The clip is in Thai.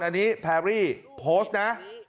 อันนี้แพรรี่โพสต์นะ